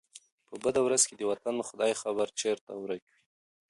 په بده ورځ کي د وطن ، خداى خبر ، چرته ورک وې